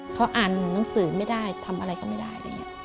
เขาอ่านหนังสือไม่ได้ทำอะไรก็ไม่ได้เลย